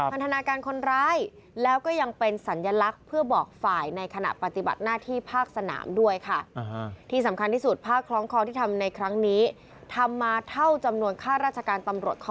ผูกทำเปรย์เคลื่อนย้ายผู้ป่วยพันธุ์แผลจากการบาดเจ็บ